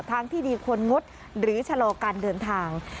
ทางที่ดีควรงดหรือชะลอการเดินทาง